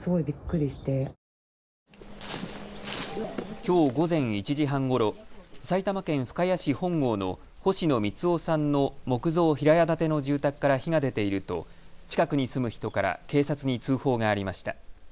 きょう午前１時半ごろ、埼玉県深谷市本郷の星野光男さんの木造平屋建ての住宅から火が出ていると近くに住む人から警察に通報がありました。